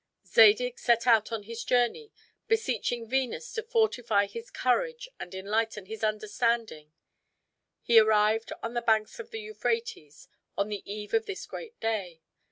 Zadig set out on his journey, beseeching Venus to fortify his courage and enlighten his understanding. He arrived on the banks of the Euphrates on the eve of this great day.